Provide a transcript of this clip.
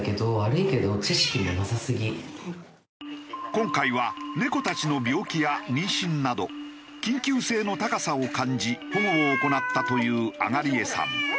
今回は猫たちの病気や妊娠など緊急性の高さを感じ保護を行ったという東江さん。